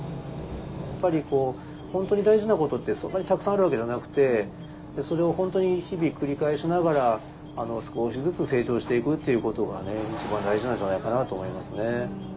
やっぱり本当に大事なことってそんなにたくさんあるわけじゃなくてそれを本当に日々繰り返しながら少しずつ成長していくっていうことが一番大事なんじゃないかなと思いますね。